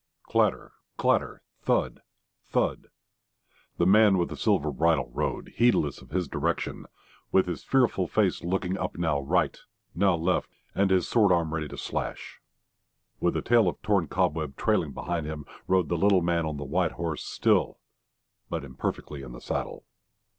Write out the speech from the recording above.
Clatter, clatter, thud, thud the man with the silver bridle rode, heedless of his direction, with his fearful face looking up now right, now left, and his sword arm ready to slash. And a few hundred yards ahead of him, with a tail of torn cobweb trailing behind him, rode the little man on the white horse, still but imperfectly in the saddle.